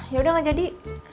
yaudah gak jadi